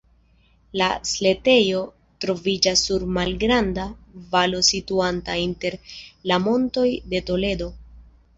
La setlejo troviĝas sur malgranda valo situanta inter la Montoj de Toledo.